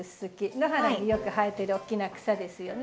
野原によく生えてる大きな草ですよね。